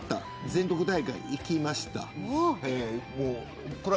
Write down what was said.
全国大会に行きました。